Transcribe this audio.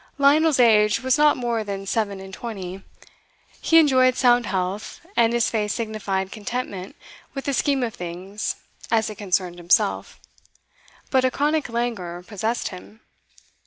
Lionel's age was not more than seven and twenty; he enjoyed sound health, and his face signified contentment with the scheme of things as it concerned himself; but a chronic languor possessed him.